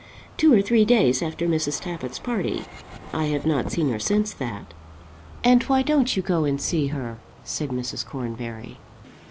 "Two or three days after Mrs. Tappitt's party. I have not seen her since that." "And why don't you go and see her?" said Mrs. Cornbury.